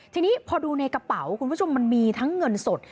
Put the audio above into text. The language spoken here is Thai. ทีนี้พอดูในกระเป๋ามันมีทั้งเงินสด